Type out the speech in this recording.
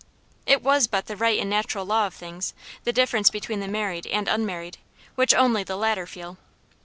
It was but the right and natural law of things, the difference between the married and unmarried, which only the latter feel.